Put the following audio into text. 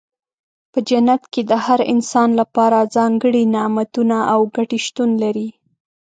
په جنت کې د هر انسان لپاره ځانګړي نعمتونه او ګټې شتون لري.